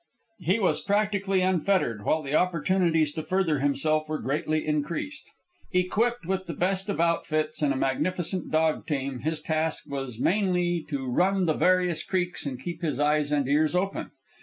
He was practically unfettered, while the opportunities to further himself were greatly increased. Equipped with the best of outfits and a magnificent dog team, his task was mainly to run the various creeks and keep his eyes and ears open.